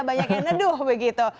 banyak yang neduh begitu